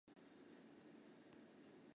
后又到欧洲进修。